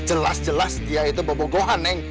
jelas jelas dia itu bobogohan neng